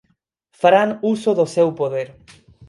Farán uso do seu poder